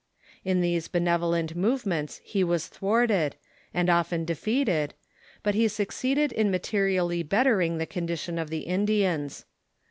In these benevolent movements he was tliAvarted, and often defeated, but he succeeded in materially bettering the condi tion of the Indians.